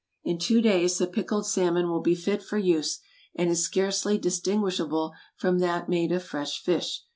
In two days the pickled salmon will be fit for use, and is scarcely distinguishable from that made of fresh fish.